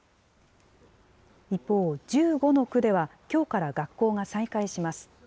一方、１５の区ではきょうから学校が再開します。